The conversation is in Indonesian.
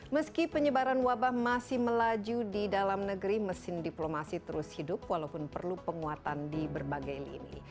meski penyebaran wabah masih melaju di dalam negeri mesin diplomasi terus hidup walaupun perlu penguatan di berbagai lini